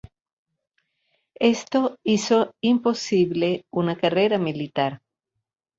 Esto hizo imposible una carrera militar.